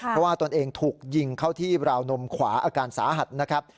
เพราะว่าตนเองถูกยิงเข้าที่ราวนมขวาอาการสาหัสนะครับ